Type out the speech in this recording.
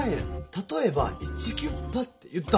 たとえばイチキュッパ」って言ったんです。